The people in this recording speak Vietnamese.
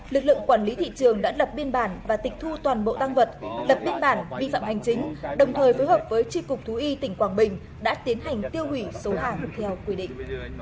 lực lượng quản lý thị trường đã lập biên bản và tịch thu toàn bộ tăng vật lập biên bản vi phạm hành chính đồng thời phối hợp với tri cục thú y tỉnh quảng bình đã tiến hành tiêu hủy số hàng theo quy định